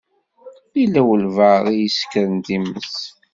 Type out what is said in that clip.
Yella walebɛaḍ i isekren times.